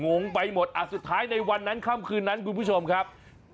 งงไปหมดอ่ะสุดท้ายในวันนั้นค่ำคืนนั้นคุณผู้ชมครับ